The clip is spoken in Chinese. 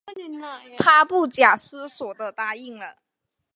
她不假思索地答应了